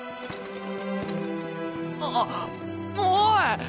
あぁおい！